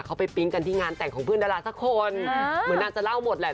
เขาไปปิ๊งกันที่งานแต่งของเพื่อนดาราสักคนเหมือนนางจะเล่าหมดแหละ